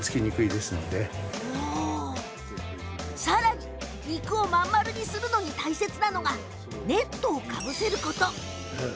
さらに肉を真ん丸にするのに大切なのがネットをかぶせること。